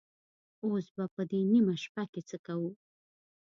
اوس به په دې نيمه شپه کې څه کوو؟